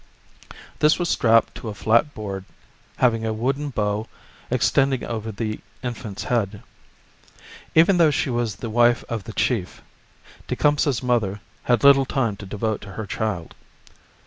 This was strapped to a flat board having a wooden bow ex tending over the infant's head. Even though she was the wife of the chief, Tecumseh's mother had little time to devote to her child.